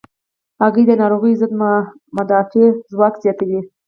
هګۍ د ناروغیو ضد مدافع ځواک زیاتوي.